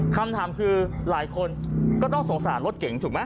คำถามคือหลายคนก็ต้องสงสารรถเก่งถูกไหม